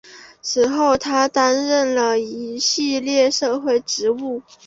此后他担任了一系列社会职务。